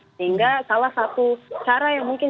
sehingga salah satu cara yang mungkin